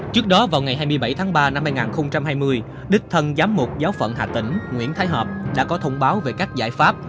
trước đó vào ngày hai mươi bảy tháng ba năm hai nghìn hai mươi đích thân giám mục giáo phận hà tĩnh nguyễn thái hợp đã có thông báo về các giải pháp